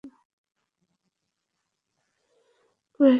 কুরাইশদের সাথে আহত নারীরাও পালাচ্ছিল।